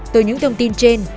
từ những thông tin trên